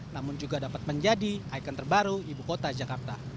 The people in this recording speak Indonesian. namun juga dapat menjadi ikon terbaru ibu kota jakarta